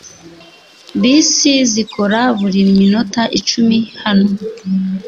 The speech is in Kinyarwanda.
Bisi zikora buri minota icumi hano